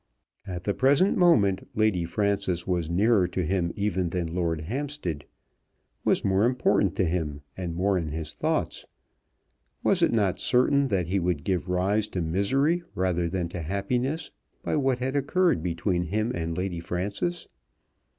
At the present moment Lady Frances was nearer to him even than Lord Hampstead, was more important to him and more in his thoughts. Was it not certain that he would give rise to misery rather than to happiness by what had occurred between him and Lady Frances?